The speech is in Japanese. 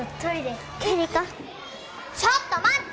行こうちょっと待って！